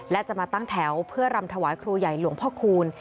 และจะมาตั้งแถวเพื่อรำถวายครูใหญ่หลวงพ่อคูณ